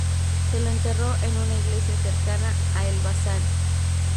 Se lo enterró en una iglesia cercana a Elbasan.